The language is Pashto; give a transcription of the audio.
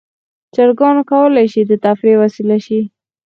چرګان کولی شي د تفریح وسیله شي.